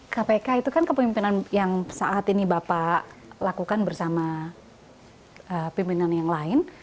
kpk itu kan kepemimpinan yang saat ini bapak lakukan bersama pimpinan yang lain